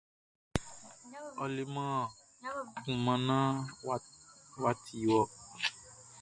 Ɔ leman kunman naan ɔ ti wɔ.